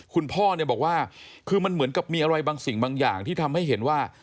คุณพ่อเนี่ยบอกว่าคือมันเหมือนกับมีอะไรบางสิ่งบางอย่างที่ทำให้เห็นว่า